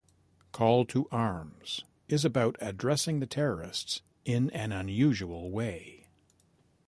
"Call to Arms" is about addressing the terrorists in a usual way.